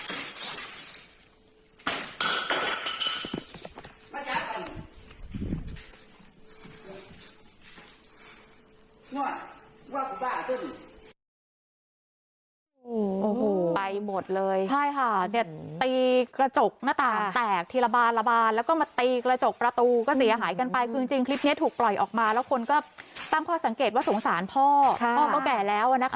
โอ้โหไปหมดเลยใช่ค่ะเนี่ยตีกระจกหน้าต่างแตกทีละบานละบานแล้วก็มาตีกระจกประตูก็เสียหายกันไปคือจริงคลิปนี้ถูกปล่อยออกมาแล้วคนก็ตั้งข้อสังเกตว่าสงสารพ่อพ่อก็แก่แล้วนะคะ